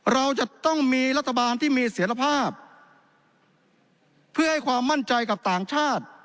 เราจะต้องมีรัฐบาลที่มีเสียรภาพเพื่อให้ความมั่นใจกับต่างชาติ